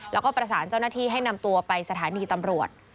แล้วก็ประสานเจ้าหน้าที่ให้นำตัวไปสถานีตำรวจ